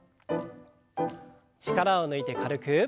力を抜いて軽く。